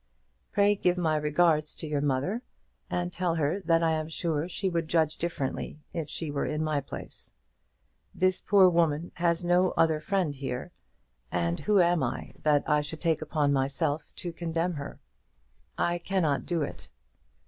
Pray give my regards to your mother, and tell her that I am sure she would judge differently if she were in my place. This poor woman has no other friend here; and who am I, that I should take upon myself to condemn her? I cannot do it.